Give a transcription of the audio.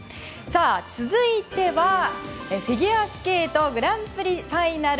続いては、フィギュアスケートグランプリファイナル。